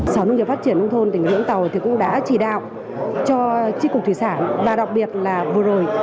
sở nông nghiệp phát triển nông thôn tỉnh vũng tàu cũng đã chỉ đạo cho tri cục thủy sản và đặc biệt là vừa rồi